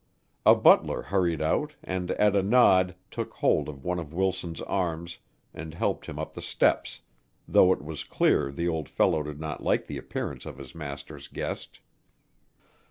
A butler hurried out and at a nod took hold of one of Wilson's arms and helped him up the steps though it was clear the old fellow did not like the appearance of his master's guest.